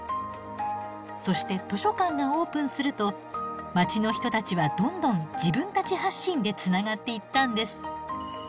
そして図書館がオープンすると街の人たちはどんどん自分たち発信でつながっていったんです。